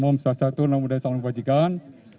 om sastra salam muda salam kebajikan